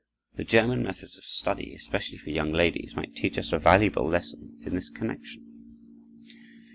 The German methods of study, especially for young ladies, might teach us a valuable lesson in this connection.